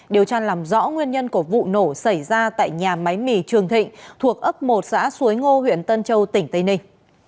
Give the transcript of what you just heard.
điều tra làm rõ nguyên nhân của vụ nổ xảy ra tại nhà máy mì trường thịnh thuộc ấp một xã suối ngô huyện tân châu tỉnh tây ninh